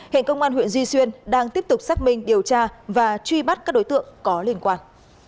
hiện công an huyện duy xuyên đang tiếp tục xác minh điều tra và truy bắt các đối tượng có liên quan